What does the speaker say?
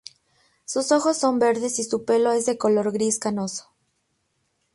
Sus ojos son verdes y su pelo es de color gris canoso.